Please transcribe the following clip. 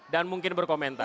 dan mungkin berkomentar